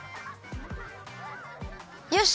よし！